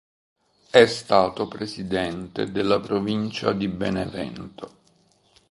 È stato Presidente della Provincia di Benevento.